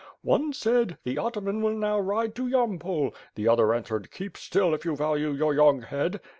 One said *the ataman will now ride to Yampol,' the other answered, 'Keep still, if you value your young head.'